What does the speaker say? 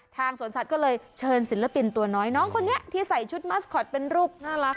สวนสัตว์ก็เลยเชิญศิลปินตัวน้อยน้องคนนี้ที่ใส่ชุดมัสคอตเป็นรูปน่ารัก